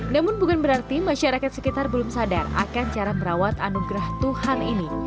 namun bukan berarti masyarakat sekitar belum sadar akan cara merawat anugerah tuhan ini